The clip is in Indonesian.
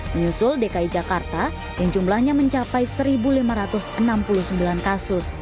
menyusul dki jakarta yang jumlahnya mencapai satu lima ratus enam puluh sembilan kasus